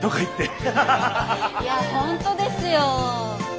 いや本当ですよ。